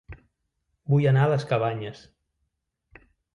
Vull anar a Les Cabanyes